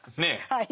はい。